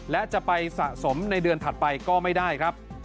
และจะไปสะสมในเดือนถัดไปก็ไม่ได้ครับ